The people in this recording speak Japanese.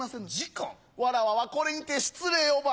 わらわはこれにて失礼をば。